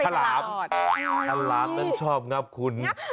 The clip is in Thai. ฉลาบฉลาบก็ได้ชอบงับคุณ